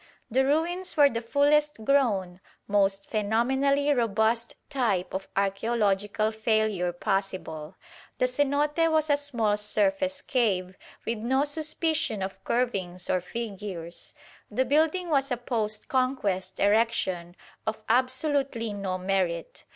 The ruins were the fullest grown, most phenomenally robust type of archæological failure possible. The cenote was a small surface cave with no suspicion of carvings or figures; the building was a post Conquest erection of absolutely no merit.